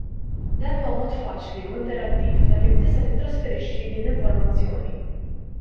Dan huwa mod faċli u interattiv ta' kif tista titrasferixxi din l-informazzjoni.